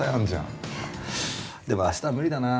でも明日は無理だな。